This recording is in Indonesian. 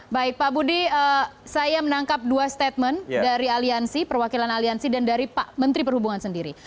baik pak budi saya menangkap dua statement dari aliansi perwakilan aliansi dan dari pak menteri perhubungan sendiri